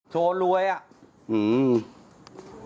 โชว์รวยอะ